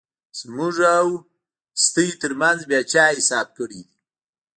زموږ او ستاسو ترمنځ بیا چا حساب کړیدی؟